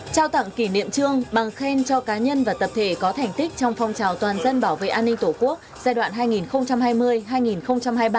trao tặng kỷ niệm trương bằng khen cho cá nhân và tập thể có thành tích trong phong trào toàn dân bảo vệ an ninh tổ quốc giai đoạn hai nghìn hai mươi hai nghìn hai mươi ba